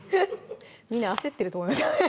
みんな焦ってると思いますよ